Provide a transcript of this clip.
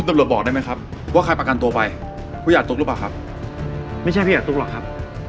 ไม่ใช่พี่อาทุกข์หรอกครับ